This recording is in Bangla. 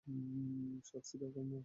সাত শ্রী আকাল, মা!